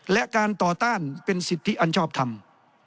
และการต่อต้านเป็นสิทธิอันชอบทำ